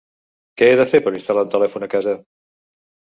Què he de fer per instal·lar un telèfon a casa?